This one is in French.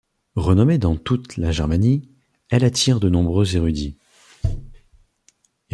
Renommée dans toute la Germanie, elle attire de nombreux érudits.